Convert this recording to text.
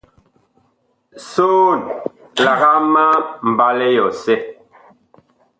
Soon, lagaa ma mbalɛ yɔsɛ.